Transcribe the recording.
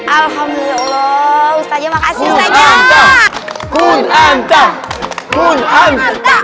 alhamdulillah ustazah makasih ustazah